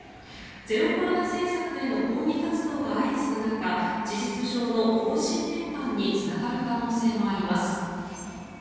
ゼロコロナ政策への抗議活動が相次ぐ中事実上の方針転換につながる可能性もあります。